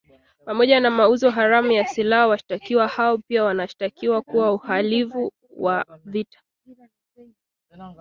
Pamoja na mauzo haramu ya silaha, washtakiwa hao pia wanashtakiwa kwa uhalivu wa vita .